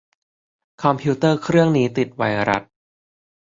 คอมพิวเตอร์เครื่องนี้ติดไวรัส